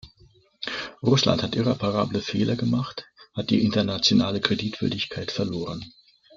Russland hat irreparable Fehler gemachthat die internationale Kreditwürdigkeit verloren.